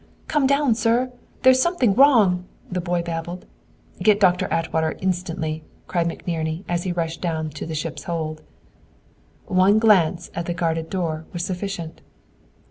"Come down, sir! THERE'S SOMETHING WRONG!" the boy babbled. "Get Doctor Atwater, instantly!" cried McNerney, as he rushed down into the ship's hold. One glance at the guarded door was sufficient.